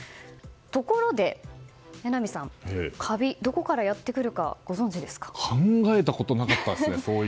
ところで榎並さん、カビどこからやってくるか考えたことなかったですね。